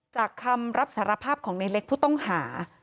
คำรับสารภาพของในเล็กผู้ต้องหา